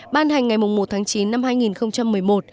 ban hành ngày một tháng chín năm hai nghìn một mươi một